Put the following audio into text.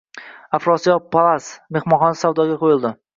“Afrosiyob Palace” mehmonxonasi savdoga qo‘yildi